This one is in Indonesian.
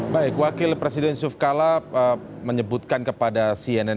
baik wakil presiden suf kala menyebutkan kepada cnn